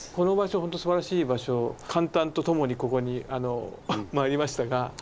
ほんとすばらしい場所感嘆とともにここに参りましたが。